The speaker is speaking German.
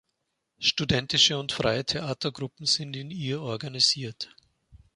Studentische und freie Theatergruppen sind in ihr organisiert.